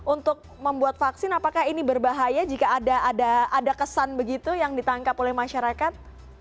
untuk membuat vaksin apakah ini berbahaya jika ada kesan begitu yang ditangkap oleh masyarakat